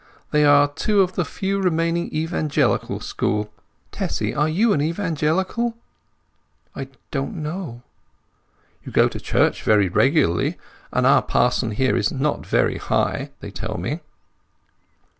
They are two of the few remaining Evangelical school. Tessy, are you an Evangelical?" "I don't know." "You go to church very regularly, and our parson here is not very High, they tell me."